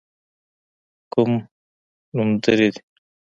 کوم نومځري دي.